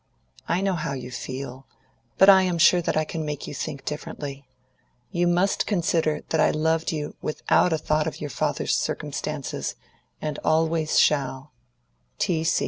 I know how you feel; but I am sure that I can make you think differently. You must consider that I loved you without a thought of your father's circumstances, and always shall.